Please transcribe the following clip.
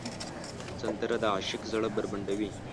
سندره د عاشق زړه بربنډوي